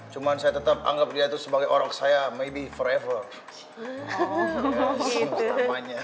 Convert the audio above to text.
cuma saya tetap anggap dia itu sebagai orang saya mungkin selama lamanya